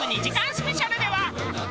スペシャルでは。